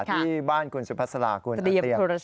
ที่บ้านคุณสุภาษาคุณอาร์เตียม